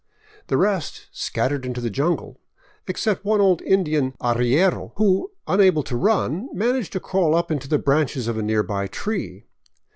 The rest scattered into the jungle; except one old Indian arriero who, unable to run, managed to crawl up into the branches of a nearby tree.